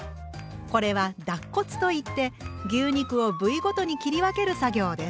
これは「脱骨」と言って牛肉を部位ごとに切り分ける作業です。